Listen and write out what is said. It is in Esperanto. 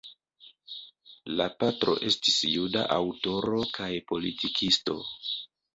La patro estis juda aŭtoro kaj politikisto.